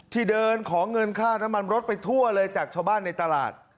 ที่เดินขอเงินค่าน้ำมันรถไปทั่วเลยจากชาวบ้านในตลาด